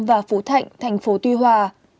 và phú thạnh tp tuy hòa